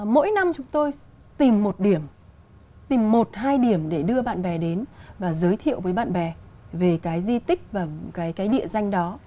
mỗi năm chúng tôi tìm một điểm tìm một hai điểm để đưa bạn bè đến và giới thiệu với bạn bè về cái di tích và cái địa danh đó